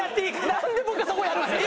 なんで僕がそこやるんですか？